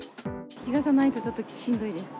日傘ないとちょっとしんどいです。